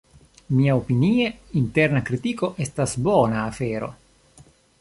Miaopinie interna kritiko estas bona afero.